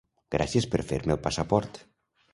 Gràcies per fer-me el passaport.